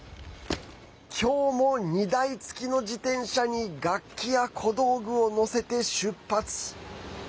今日も荷台付きの自転車に楽器や小道具を載せて出発。